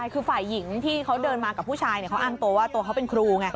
คือฝ่ายหญิงที่เขาเดินมากับผู้ชายเขาอ้างตัวว่าตัวเขาเป็นครูไง